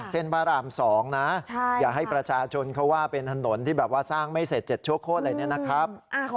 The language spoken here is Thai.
เช่นประหลาม๒นะอย่าให้ประชาชนเขาว่าเป็นถนนที่สร้างไม่เสร็จเจ็ดชั่วโค้ดอะไรแบบนี้นะครับ